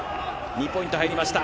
２ポイント入りました。